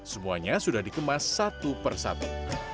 semuanya sudah dikemas satu per satu